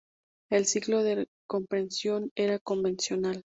El ciclo de compresión era convencional.